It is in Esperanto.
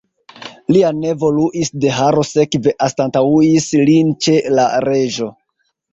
Lia nevo Luis de Haro sekve anstataŭis lin ĉe la reĝo.